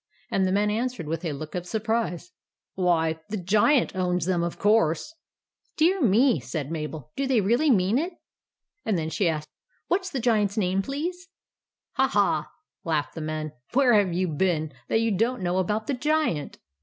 And the men answered with a look of surprise, —" Why, the Giant owns them, of course/' "Dear me!" said Mabel. "Do they really mean it ?" And then she asked :—" What 's the Giant's name, please ?"" Ha, ha !" laughed the men. " Where have you been that you don't know about the Giant?